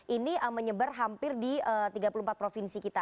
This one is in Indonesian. ini menyebar hampir di tiga puluh empat provinsi kita